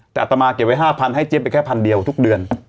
แต่อัตมาเก็บไว้๕๐๐ให้เจี๊ยไปแค่พันเดียวทุกเดือน